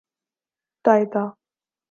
تائتا